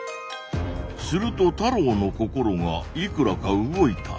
すると太郎の心がいくらか動いた。